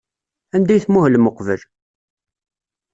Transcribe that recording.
Anda ay tmuhlem uqbel?